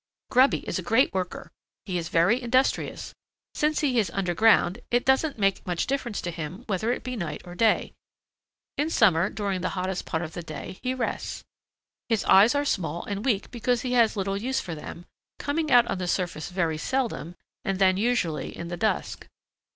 "Grubby is a great worker. He is very industrious. Since he is underground, it doesn't make much difference to him whether it be night or day. In summer, during the hottest part of the day, he rests. His eyes are small and weak because he has little use for them, coming out on the surface very seldom and then usually in the dusk.